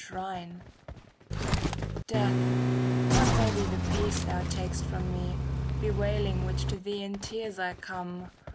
6z CANZONIERE Death, what may be the peace thou tak'st from me. Bewailing which to thee in tears I come.